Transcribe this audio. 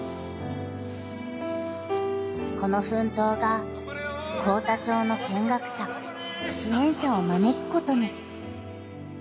［この奮闘が幸田町の見学者支援者を招くことに］